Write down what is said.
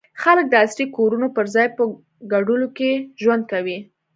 خلک د عصري کورونو پر ځای په کوډلو کې ژوند کوي.